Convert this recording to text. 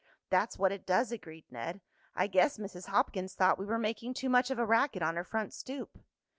"That's what it does," agreed Ned. "I guess Mrs. Hopkins thought we were making too much of a racket on her front stoop."